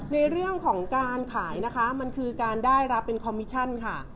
ในเรื่องของการขายนะคะมันคือการได้รับเป็นคอมมิชชั่นค่ะ